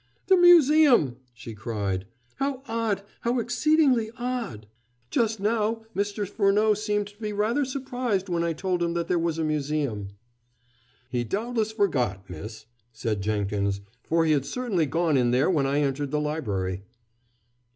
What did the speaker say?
"The museum!" she cried. "How odd, how exceedingly odd! Just now Mr. Furneaux seemed to be rather surprised when I told him that there was a museum!" "He doubtless forgot, miss," said Jenkins, "for he had certainly gone in there when I entered the library."